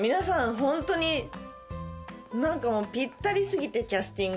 ホントに何かもうぴったり過ぎてキャスティングが。